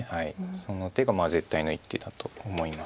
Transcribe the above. その手が絶対の一手だと思います。